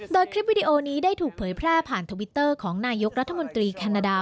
โดยคลิปวิดีโอนี้ได้ถูกเผยแพร่ผ่านทวิตเตอร์ของนายกรัฐมนตรีแคนาดา